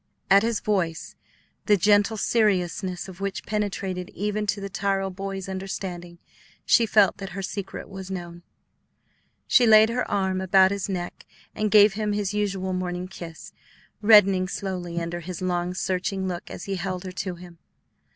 At his voice, the gentle seriousness of which penetrated even to the Tyrrell boys' understanding, she felt that her secret was known. She laid her arm about his neck and gave him his usual morning kiss, reddening slowly under his long searching look as he held her to him.